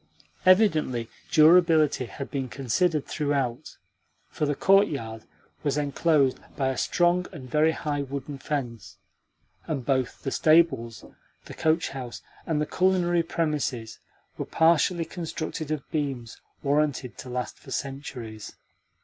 Evidently durability had been considered throughout, for the courtyard was enclosed by a strong and very high wooden fence, and both the stables, the coach house, and the culinary premises were partially constructed of beams warranted to last for centuries.